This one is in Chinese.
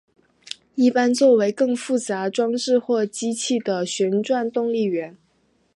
一般作为更复杂装置或机器的旋转动力源。